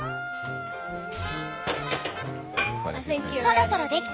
そろそろできた？